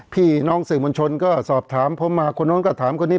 พี่น้องสื่อมวลชนก็สอบถามผมมาคนนู้นก็ถามคนนี้